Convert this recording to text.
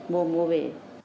mua mua về